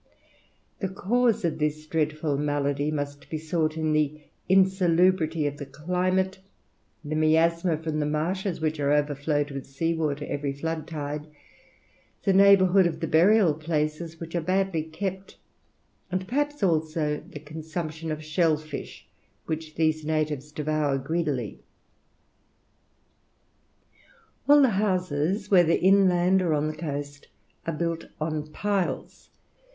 The cause of this dreadful malady must be sought in the insalubrity of the climate, the miasma from the marshes, which are overflowed with sea water every flood tide, the neighbourhood of the burial places, which are badly kept, and perhaps also to the consumption of shell fish which these natives devour greedily. All the houses, whether inland or on the coast, are built on piles.